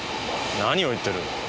何を言ってる？